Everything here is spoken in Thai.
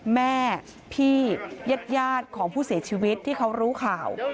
แม่พี่ญาติของผู้เสียชีวิตที่เขารู้ข่าว